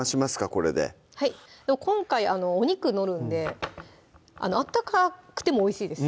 これで今回お肉載るんで温かくてもおいしいです